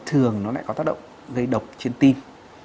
thường nó lại có tác động gây độc trên tim